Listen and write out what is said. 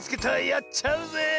やっちゃうぜ。